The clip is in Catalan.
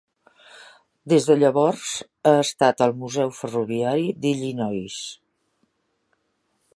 Des de llavors ha estat al Museu ferroviari d'Illinois.